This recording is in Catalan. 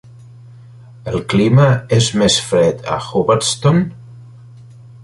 El clima és més fred a Hubbardston?